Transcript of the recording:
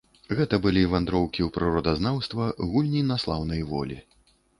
Гэта былі вандроўкі ў прыродазнаўства, гульні на слаўнай волі.